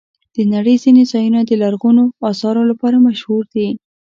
د نړۍ ځینې ځایونه د لرغونو آثارو لپاره مشهور دي.